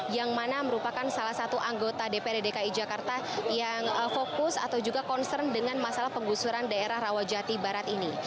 yang mana merupakan salah satu anggota dprd dki jakarta yang fokus atau juga concern dengan masalah penggusuran daerah rawajati barat ini